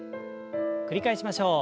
繰り返しましょう。